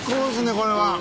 これは。